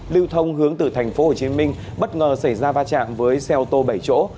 lưu thông hướng từ thành phố hồ chí minh bất ngờ xảy ra va chạm với xe ô tô bảy chỗ